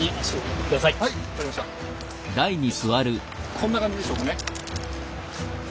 こんな感じでしょうかね。